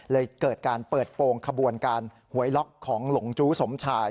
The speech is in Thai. เกิดการเปิดโปรงขบวนการหวยล็อกของหลงจู้สมชาย